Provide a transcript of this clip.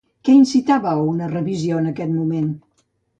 Què incitava a una revisió en aquest moment?